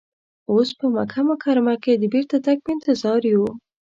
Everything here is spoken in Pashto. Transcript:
اوس په مکه مکرمه کې د بیرته تګ په انتظار یو.